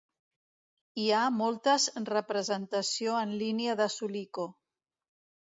Hi ha moltes representació en línia de Suliko.